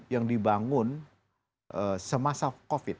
yang dibangun semasa covid